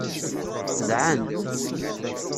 Dɛant.